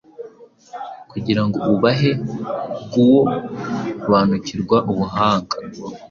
Kugirango ubahe guobanukirwa ubuhanga